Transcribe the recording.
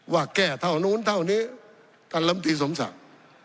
ว่าแก้เท่านู้นเท่านี้ท่านลำตีสมศักดิ์